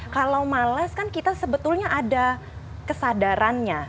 kalau males kan kita sebetulnya ada kesadarannya